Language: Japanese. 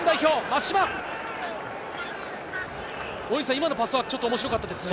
今のパスワークはちょっと面白かったですね。